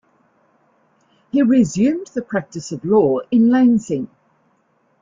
He resumed the practice of law in Lansing.